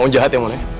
kamu jahat ya